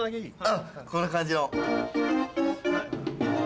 うんこんな感じの。